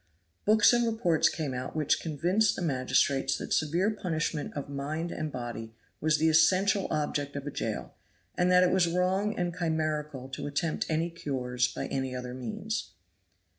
Books and reports came out which convinced the magistrates that severe punishment of mind and body was the essential object of a jail, and that it was wrong and chimerical to attempt any cures by any other means.